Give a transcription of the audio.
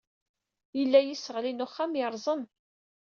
Yella yiseɣli n uxxam yerẓem.